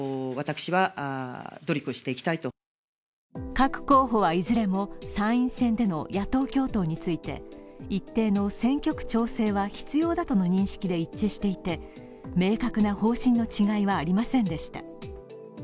各候補はいずれも参院選での野党共闘について一定の選挙区調整は必要だとの認識で一致していて、明確な方針の違いはありませんでした。